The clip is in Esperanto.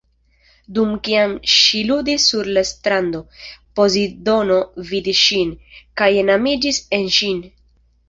Dum kiam ŝi ludis sur la strando, Pozidono vidis ŝin, kaj enamiĝis en ŝin.